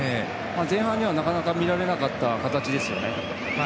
前半にはなかなか見られなかった形ですね。